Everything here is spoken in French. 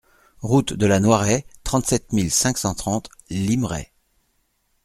Route de la Noiraie, trente-sept mille cinq cent trente Limeray